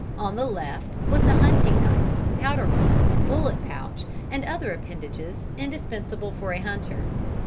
On the left was the hunting knife, powder horn, bullet pouch, and other appendages indispensable for a hunter.